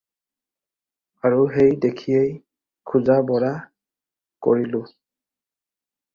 আৰু সেই দেখিয়েই খোজা-বঢ়া কৰিলোঁ।